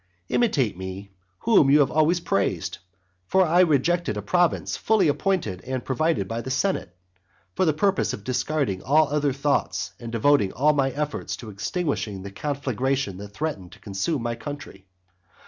Imitate me whom you have always praised; for I rejected a province fully appointed and provided by the senate, for the purpose of discarding all other thoughts, and devoting all my efforts to extinguishing the conflagration that threatened to consume my country.